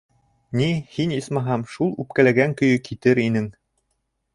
— Ни, һин, исмаһам, шул үпкәләгән көйө китер инең...